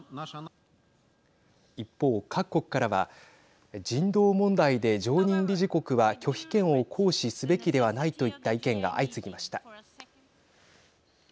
一方、各国からは人道問題で常任理事国は拒否権を行使すべきではないといった意見が相次ぎました。